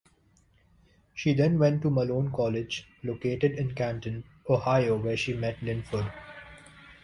She then went to Malone College, located in Canton, Ohio, where she met Linford.